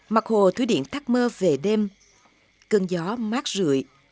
mặc hồ thúy điện thắt mơ về đêm cơn gió mát rượi